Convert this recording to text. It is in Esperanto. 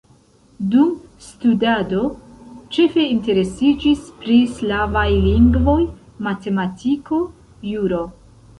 Dum studado ĉefe interesiĝis pri slavaj lingvoj, matematiko, juro.